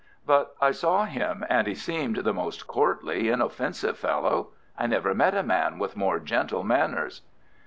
"But I saw him, and he seemed the most courtly, inoffensive fellow. I never met a man with more gentle manners."